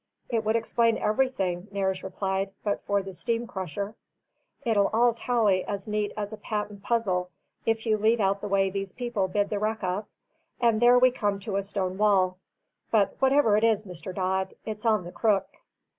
"It would explain everything," Nares replied, "but for the steam crusher. It'll all tally as neat as a patent puzzle, if you leave out the way these people bid the wreck up. And there we come to a stone wall. But whatever it is, Mr. Dodd, it's on the crook."